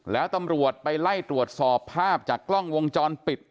แล้วตำรวจไปไล่ตรวจสอบภาพจากกล้องวงจรปิด